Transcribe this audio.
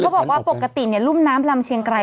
บอกว่าปกติรุ่มน้ำลำเชียงไกร